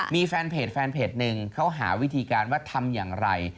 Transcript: มีแฟนเพจแฟนเพจหนึ่งเขาหาวิธีการว่าทำอย่างไร